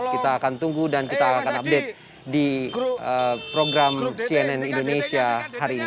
kita akan tunggu dan kita akan update di program cnn indonesia hari ini